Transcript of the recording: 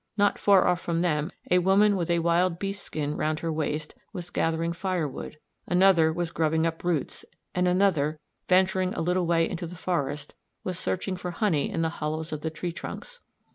Not far off from them a woman with a wild beast's skin round her waist was gathering firewood, another was grubbing up roots, and another, venturing a little way into the forest, was searching for honey in the hollows of the tree trunks.